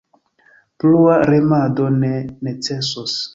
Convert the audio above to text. Plua remado ne necesos.